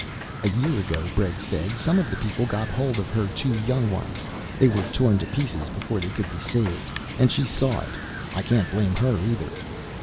"A year ago," Bregg said, "some of the people got hold of her two young ones. They were torn to pieces before they could be saved, and she saw it. I can't blame her, either."